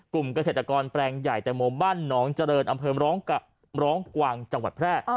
กลุ่มเกษตรกรแปลงใหญ่แต่โมบันนเจริญอำเพลิมร้องกว่างจังหวัดแพร่